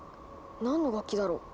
何の楽器だろう？